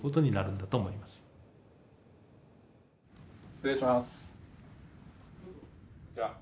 失礼します。